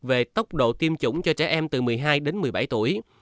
về tốc độ tiêm chủng cho trẻ em từ một mươi hai đến một mươi bảy tuổi